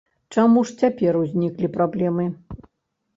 Чаму ж цяпер узніклі праблемы?